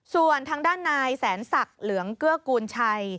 ส่วนทางด้านนายแสนศักดิ์เหลืองเกื้อกูลชัย